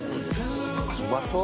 うまそう